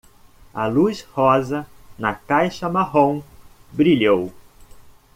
A luz rosa na caixa marrom brilhou.